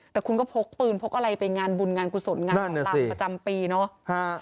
แต่คุณก็พกปืนพกอะไรไปงานบุญงานกุศลงานหมอลำประจำปีเนาะ